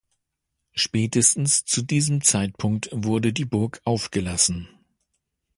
Spätestens zu diesem Zeitpunkt wurde die Burg aufgelassen.